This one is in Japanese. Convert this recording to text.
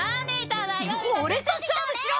俺と勝負しろ！